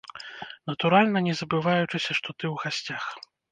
Натуральна, не забываючыся, што ты ў гасцях.